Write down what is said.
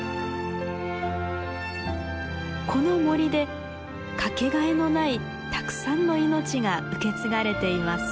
この森でかけがえのないたくさんの命が受け継がれています。